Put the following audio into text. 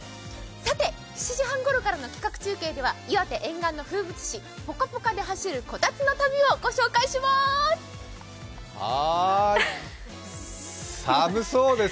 さて、７時半ごろからの企画中継では岩手沿岸の風物詩、ぽかぽかで走るこたつの旅をご紹介します。